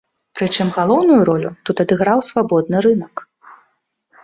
Прычым галоўную ролю тут адыграў свабодны рынак.